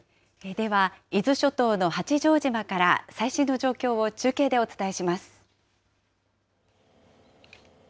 では伊豆諸島の八丈島から、最新の状況を中継でお伝えします。